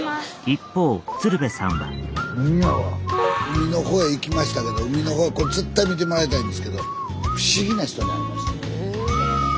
海の方へ行きましたけど海の方は絶対見てもらいたいんですけど不思議な人に会いました。